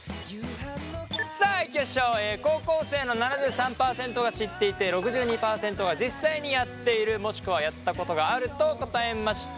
さあいきましょう高校生の７３％が知っていて６２％が実際にやっているもしくはやったことがあると答えました。